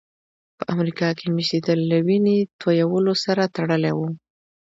په امریکا کې مېشتېدل له وینې تویولو سره تړلي وو.